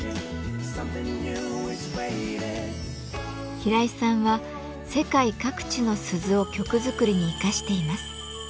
平井さんは世界各地の鈴を曲作りに生かしています。